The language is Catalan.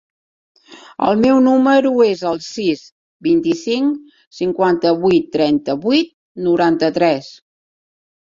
El meu número es el sis, vint-i-cinc, cinquanta-vuit, trenta-vuit, noranta-tres.